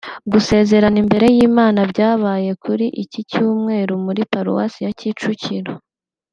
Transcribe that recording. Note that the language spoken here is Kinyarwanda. Gusezerana imbere y’Imana byabaye kuri iki Cyumweru muri Paruwasi ya Kicukiro